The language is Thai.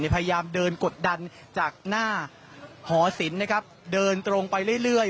พยายามเดินกดดันจากหน้าหอศิลป์นะครับเดินตรงไปเรื่อย